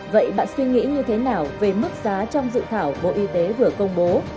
vậy bạn suy nghĩ như thế nào về mức giá trong dự thảo bộ y tế vừa công bố